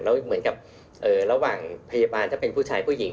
แล้วเหมือนกับระหว่างพยาบาลถ้าเป็นผู้ชายผู้หญิง